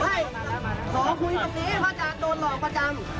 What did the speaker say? ให้ขอคุยตรงนี้พระอาจารย์โดนหลอกประจำ